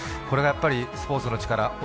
これがやっぱり「スポーツのチカラ」